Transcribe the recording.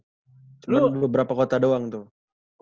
cuma beberapa kota doang tuh